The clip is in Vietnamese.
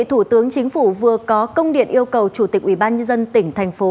thủ tướng chính phủ vừa có công điện yêu cầu chủ tịch ubnd tỉnh thành phố